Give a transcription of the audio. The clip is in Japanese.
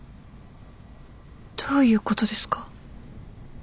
どういうことですか？